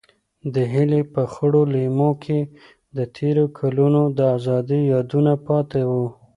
د هیلې په خړو لیمو کې د تېرو کلونو د ازادۍ یادونه پاتې وو.